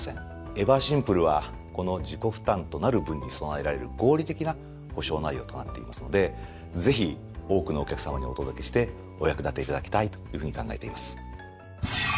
「ＥＶＥＲシンプル」はこの自己負担となる分に備えられる合理的な保障内容となっていますのでぜひ多くのお客さまにお届けしてお役立ていただきたいというふうに考えています。